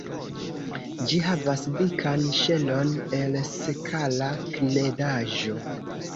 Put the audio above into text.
Ĝi havas dikan ŝelon el sekala knedaĵo.